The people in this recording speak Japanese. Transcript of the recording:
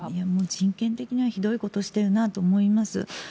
人権的にはひどいことをしているなと思います。